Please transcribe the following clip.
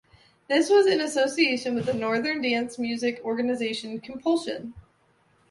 This was in association with the Northern dance music organization, Compulsion.